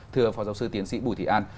thưa phó giáo sư tiến sĩ bùi thị an